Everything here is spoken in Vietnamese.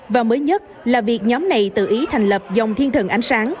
và mới nhất là việc nhóm này tự ý thành lập dòng thiên thần ánh sáng